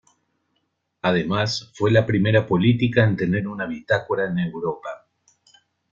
Además, fue la primera política en tener una bitácora en Europa.